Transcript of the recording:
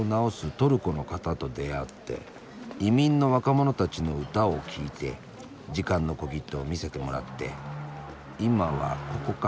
トルコの方と出会って移民の若者たちの歌を聴いて「時間の小切手」を見せてもらって今はここか。